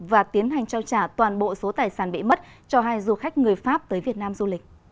và tiến hành trao trả toàn bộ số tài sản bị mất cho hai du khách người pháp tới việt nam du lịch